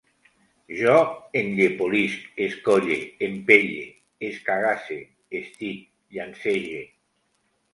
Jo enllepolisc, escolle, empelle, escagasse, estic, llancege